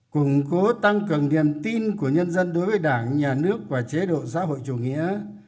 củng cố tăng cường niềm tin của nhân dân đối với đảng nhà nước và chế độ xã hội chủ nghĩa